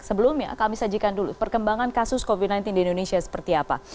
sebelumnya kami sajikan dulu perkembangan kasus covid sembilan belas di indonesia seperti apa